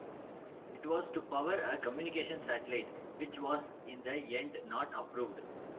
It was to power a communication satellite which was in the end not approved.